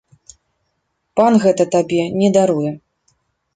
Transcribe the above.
Пан гэта табе не даруе.